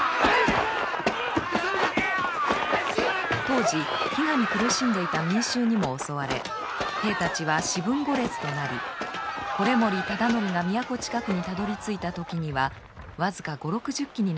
当時飢餓に苦しんでいた民衆にも襲われ兵たちは四分五裂となり維盛忠度が都近くにたどりついた時には僅か５０６０騎になっていました。